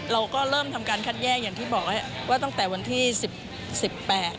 เราก็เริ่มทำการคัดแยกอย่างที่บอกว่าตั้งแต่วันที่สิบสิบแปด